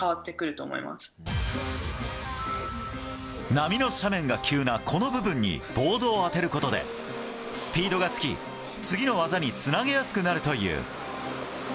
波の斜面が急なこの部分にボードを当てることでスピードがつき次の技につなげやすくなるという。